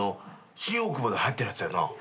新大久保ではやってるやつだよな。